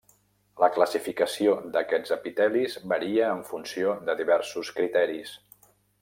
La classificació d'aquests epitelis varia en funció de diversos criteris.